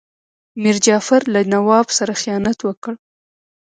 میر جعفر له نواب سره خیانت وکړ.